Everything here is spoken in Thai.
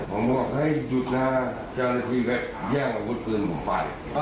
ผมบอกให้หยุดร่าเจ้าระชรัฐิย่งอารุณปืนของผมไป